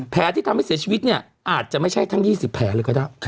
ที่ทำให้เสียชีวิตเนี่ยอาจจะไม่ใช่ทั้ง๒๐แผลเลยก็ได้